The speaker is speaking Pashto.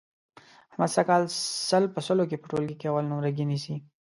احمد سږ کال سل په سلو کې په ټولګي کې اول نمرګي نیسي.